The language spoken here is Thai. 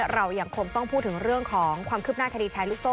เรายังคงต้องพูดถึงเรื่องของความคืบหน้าคดีแชร์ลูกโซ่